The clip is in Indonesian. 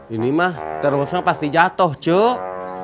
ini mang tremosnya pasti jatuh cek